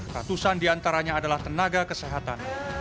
ratusan diantaranya adalah tenaga kesehatan